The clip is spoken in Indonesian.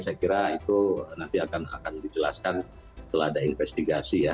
saya kira itu nanti akan dijelaskan setelah ada investigasi ya